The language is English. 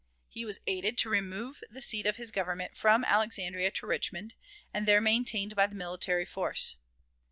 He was aided to remove the seat of his government from Alexandria to Richmond, and there maintained by the military force.